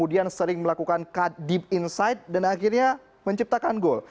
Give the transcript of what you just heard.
dia sering melakukan cut deep insight dan akhirnya menciptakan gol